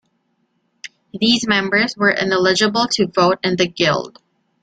These members were ineligible to vote in the guild.